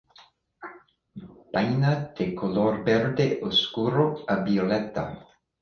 Vaina de color verde oscuro a violeta.